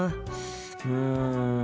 うん。